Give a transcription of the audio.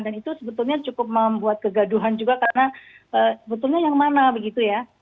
dan itu sebetulnya cukup membuat kegaduhan juga karena sebetulnya yang mana begitu ya